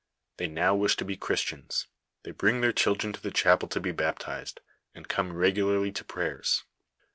They now wish to be Christians ; they bring their children to the chapel to be baptized, and come regu larly to prayere.